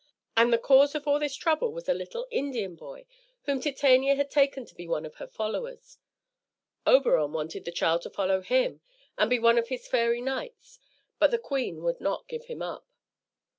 And the cause of all this trouble was a little Indian boy whom Titania had taken to be one of her followers. Oberon wanted the child to follow him and be one of his fairy knights; but the queen would not give him up.